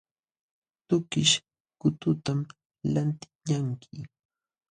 Tukish kutuntam lantiqñanki.